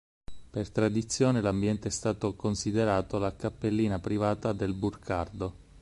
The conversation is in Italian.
Per tradizione, l'ambiente è stato considerato la cappellina privata del Burcardo.